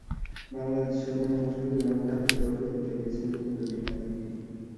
বাংলাদেশ অধিনায়ক মুশফিকুর রহিমের হাতে ট্রফিও তুলে দিয়েছেন, কিন্তু দুটি নয়, একটি।